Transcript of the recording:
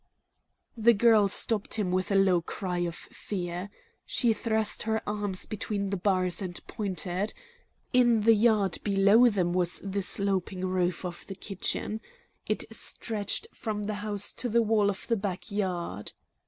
The girl stopped him with a low cry of fear. She thrust her arms between the bars and pointed. In the yard below them was the sloping roof of the kitchen. It stretched from the house to the wall of the back yard.